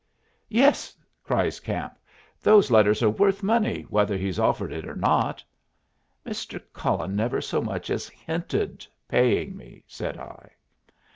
"Yes," cried Camp, "those letters are worth money, whether he's offered it or not." "Mr. Cullen never so much as hinted paying me," said I.